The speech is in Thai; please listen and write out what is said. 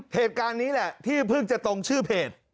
เหตุการณ์นี้แหละที่เพิ่งจะตรงชื่อเพจ